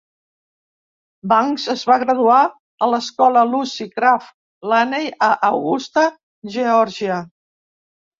Banks es va graduar a l"escola Lucy Craft Laney a Augusta, Geòrgia.